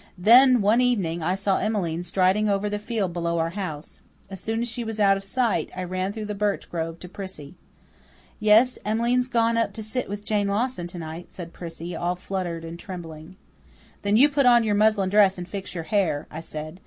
Then, one evening, I saw Emmeline striding over the field below our house. As soon as she was out of sight I ran through the birch grove to Prissy. "Yes, Em'line's gone to sit up with Jane Lawson to night," said Prissy, all fluttered and trembling. "Then you put on your muslin dress and fix your hair," I said.